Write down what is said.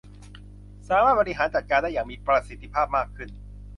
สามารถบริหารจัดการได้อย่างมีประสิทธิภาพมากขึ้น